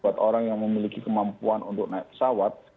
buat orang yang memiliki kemampuan untuk naik pesawat